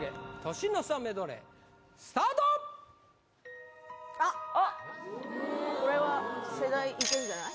年の差メドレースタートあっあっこれは世代いけるんじゃない？